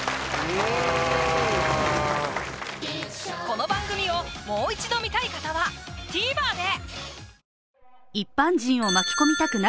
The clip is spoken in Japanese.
この番組をもう一度観たい方はＴＶｅｒで！